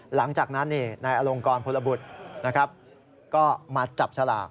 หลังจากนั้นนายอลงกรพลบุธก็มาจับฉลาก